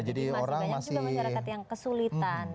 jadi masih banyak juga masyarakat yang kesulitan